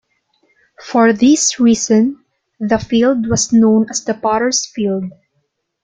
For this reason the field was known as the Potter's Field.